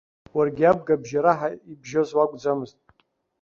Уаргьы абга бжьараҳа ибжьоз уакәӡамызт.